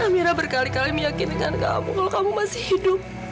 amira berkali kali meyakinkan kamu kalau kamu masih hidup